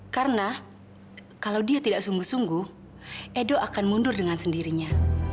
karena kalau dia tidak sungguh sungguh edo akan mundur dengan sendirinya